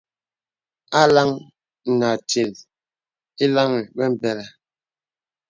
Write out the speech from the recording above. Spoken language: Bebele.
A LAŋ Nə Atīl īlaŋī bə̀mbələ̀.